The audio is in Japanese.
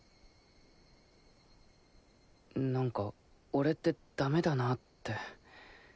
何か俺ってダメだなって。